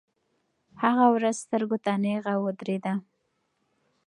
هغه ورځ سترګو ته نیغه ودرېده.